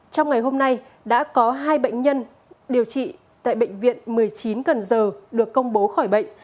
trong ngày hôm nay đã có hai bệnh nhân điều trị tại bệnh viện một mươi chín cần giờ được công bố khỏi bệnh